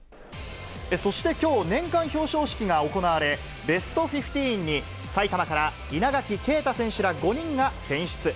そしてきょう、年間表彰式が行われ、ベストフィフティーンに、埼玉から稲垣啓太選手ら５人が選出。